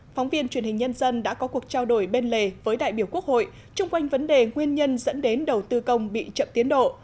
phóng viên truyền hình nhân dân đã có cuộc trao đổi bên lề với đại biểu quốc hội chung quanh vấn đề nguyên nhân dẫn đến đầu tư công bị chậm tiến độ